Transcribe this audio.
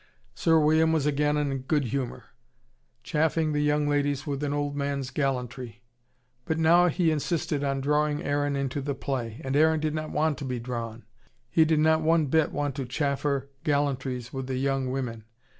Sir William was again in a good humour, chaffing the young ladies with an old man's gallantry. But now he insisted on drawing Aaron into the play. And Aaron did not want to be drawn. He did not one bit want to chaffer gallantries with the young women.